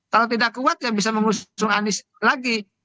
kalau tidak kuat ya bisa mengusung anies lagi